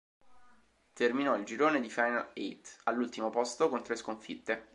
Terminò il girone di "final-eight" all'ultimo posto con tre sconfitte.